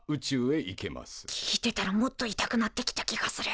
聞いてたらもっと痛くなってきた気がする。